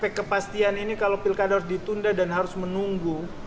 aspek kepastian ini kalau pilkada harus ditunda dan harus menunggu